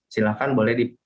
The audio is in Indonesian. silahkan boleh diperhatikan